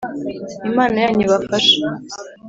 Imana yanyu ibafashe.